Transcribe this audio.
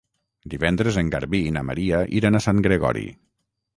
Divendres en Garbí i na Maria iran a Sant Gregori.